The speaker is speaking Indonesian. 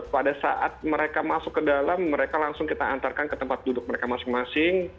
pada saat mereka masuk ke dalam mereka langsung kita antarkan ke tempat duduk mereka masing masing